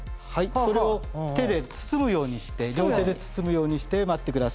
それを手で包むようにして両手で包むようにして待ってください。